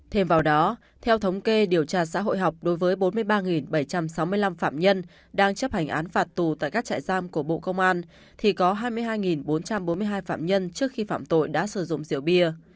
thêm vào đó theo thống kê điều tra xã hội học đối với bốn mươi ba bảy trăm sáu mươi năm phạm nhân đang chấp hành án phạt tù tại các trại giam của bộ công an thì có hai mươi hai bốn trăm bốn mươi hai phạm nhân trước khi phạm tội đã sử dụng rượu bia